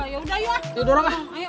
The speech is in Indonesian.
yaudah yuk ah